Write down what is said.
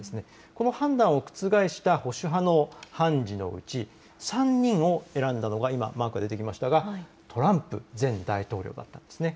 この判断を覆した保守派の判事のうち、３人を選んだのが今、マーク、出てきましたがトランプ前大統領だったんです。